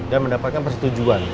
dan mendapatkan persetujuan